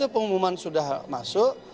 pengumuman sudah masuk